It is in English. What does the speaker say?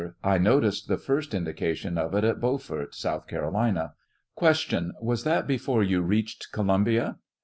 I noticed the first indications of it at Beaufort, South Carolina. Q. Was that before you reached Columbia?